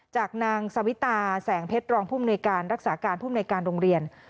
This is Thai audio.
จากนางสวิตาแสงเพชรองภูมิในการรักษาการภูมิในการโรงเรียน